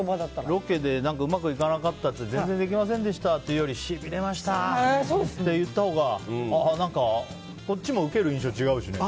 ロケでうまくいかなくて全然できませんでしたって言うよりしびれましたって言ったほうが何か、こっちも受ける印象が違うしね。